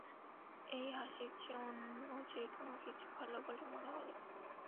এই হাসির চেয়ে অন্য যে কোনোকিছু ভালো বলে মনে হল।